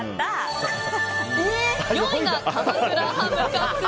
４位が鎌倉ハムカツ。